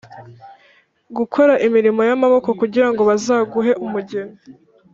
gukora imirimo y’amaboko kugira ngo bazaguhe umugeni.